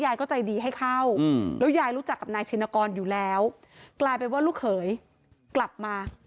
ยายก็ใจดีให้เข้าแล้วยายรู้จักกับนายชินกรอยู่แล้วกลายเป็นว่าลูกเขยกลับมา